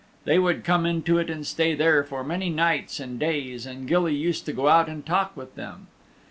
They would come into it and stay there for many nights and days, and Gilly used to go out and talk with them.